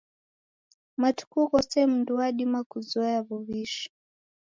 Matuku ghose mdu wadima kuzoya w'uw'ishi.